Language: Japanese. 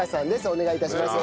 お願い致します。